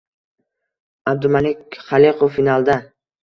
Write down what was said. Abdumalik Xalakov finalda!ng